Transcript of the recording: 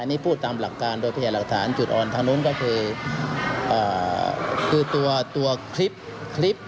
นี่พูดตามหลักการโดยพยานหลักฐานจุดอ่อนทางนู้นก็คือคือตัวตัวคลิปคลิป